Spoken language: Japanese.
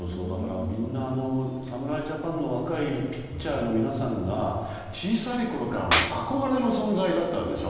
みんな、侍ジャパンの若いピッチャーの皆さんが小さいころからの憧れの存在だったわけでしょ。